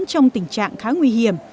trong tình trạng khá nguy hiểm